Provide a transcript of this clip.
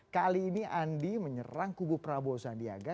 kali ini andi menyerang kubu prabowo sandiaga